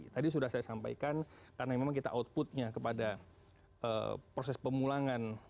tadi sudah saya sampaikan karena memang kita outputnya kepada proses pemulangan